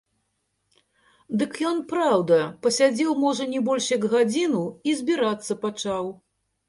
Дык ён, праўда, пасядзеў можа не больш як гадзіну і збірацца пачаў.